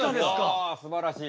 うわすばらしい。